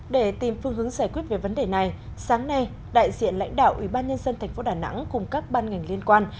để tìm phương hướng giải quyết về vấn đề này sáng nay đại diện lãnh đạo ủy ban nhân dân thành phố đà nẵng cùng các ban ngành liên quan